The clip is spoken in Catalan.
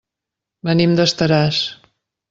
Venim d'Estaràs.